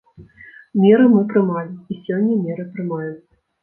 Меры мы прымалі, і сёння меры прымаем.